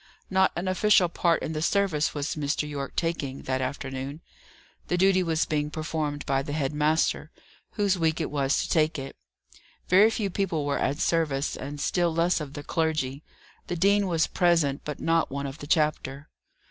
Not an official part in the service was Mr. Yorke taking, that afternoon; the duty was being performed by the head master, whose week it was to take it. Very few people were at service, and still less of the clergy; the dean was present, but not one of the chapter.